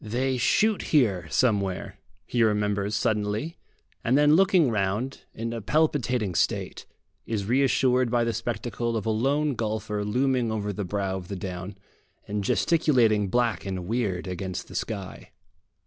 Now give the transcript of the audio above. They shoot here somewhere, he remembers suddenly; and then looking round, in a palpitating state, is reassured by the spectacle of a lone golfer looming over the brow of the down, and gesticulating black and weird against the sky.